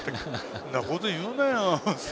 そんなこと言うなよって。